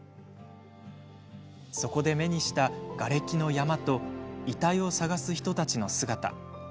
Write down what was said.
そこで目にした瓦礫の山と遺体を捜す人たちの姿。